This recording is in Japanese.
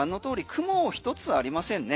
雲一つありませんね。